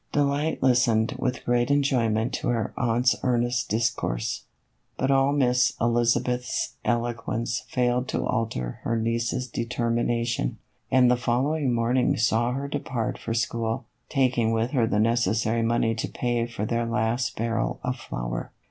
114 THE EVOLUTION OF A BONNET. Delight listened with great enjoyment to her aunt's earnest discourse; but all Miss Elizabeth's eloquence failed to alter her niece's determination, and the following morning saw her depart for school, taking with her the necessary money to pay for their last barrel of flour.